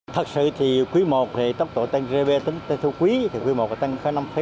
thật sự thì quý i thì tốc độ tăng gb tính tới thú quý quý i tăng năm một